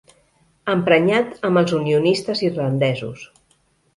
Emprenyat amb els unionistes irlandesos.